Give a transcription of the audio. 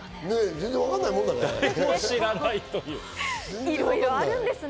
全然わかんないもんだね。